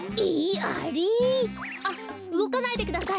あっうごかないでください。